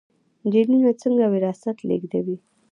جینونه څنګه وراثت لیږدوي؟